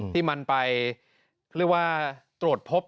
ที่มันไปเรียกว่าตรวจพบ